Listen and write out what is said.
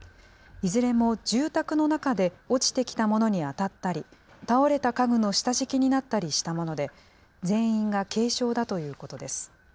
いずれも住宅の中で落ちてきたものに当たったり、倒れた家具の下敷きになったりしたもので、全員が軽傷だということです。